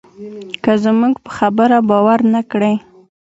که زموږ په خبره باور نه کړې.